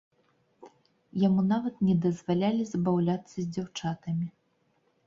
Яму нават не дазвалялі забаўляцца з дзяўчатамі.